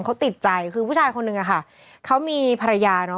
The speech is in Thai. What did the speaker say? เขาติดใจคือผู้ชายคนนึงอะค่ะเขามีภรรยาเนาะ